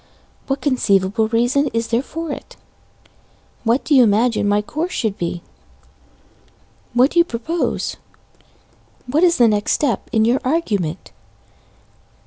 What conceivable reason is there for it? What do you imagine my course should be? What do you propose? What is the next step in your argument?